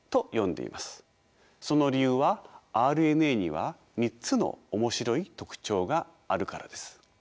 その理由はＲＮＡには３つの面白い特徴があるからです。